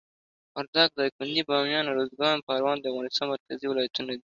وردګ، دایکندي، بامیان، اروزګان، پروان د افغانستان مرکزي ولایتونه دي.